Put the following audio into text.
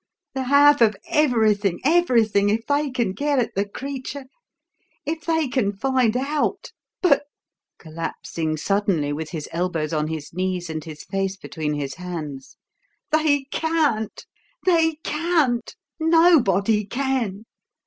The half of everything everything if they can get at the creature. If they can find out. But" collapsing suddenly, with his elbows on his knees and his face between his hands "they can't, they can't; nobody can!